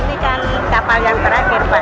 ini kan kapal yang terakhir pak